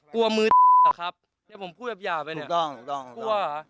กลัวมือครับเนี้ยผมพูดแบบยาไปเนี้ยถูกต้องถูกต้องค่ะ